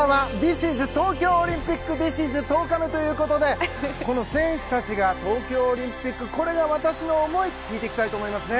「Ｔｈｉｓｉｓ東京オリンピック」Ｔｈｉｓｉｓ１０日目ということでこの選手たちが東京オリンピックこれが私の思い聞いていきたいと思いますね。